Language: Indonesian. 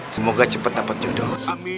semoga cepet dapat jodoh